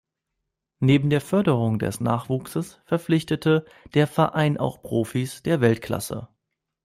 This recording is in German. Neben der Förderung des Nachwuchses verpflichtete der Verein auch Profis der Weltklasse.